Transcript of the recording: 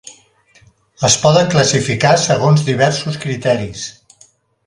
Es poden classificar segons diversos criteris.